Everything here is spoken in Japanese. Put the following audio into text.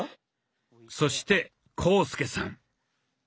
そして浩介さん。